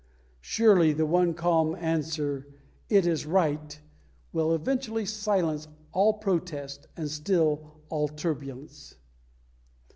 Surely the one calm answer, "It is Right," will eventually silence all protest and still all turbulence!